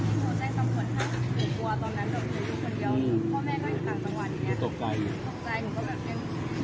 ตอนนี้กำหนังไปคุยของผู้สาวว่ามีคนละตบ